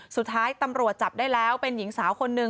สุดท้ายตำรวจจับได้แล้วเป็นหญิงสาวคนหนึ่ง